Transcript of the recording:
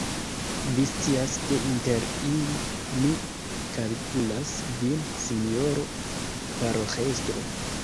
Vi scias, ke inter ili mi kalkulas vin, sinjoro paroĥestro.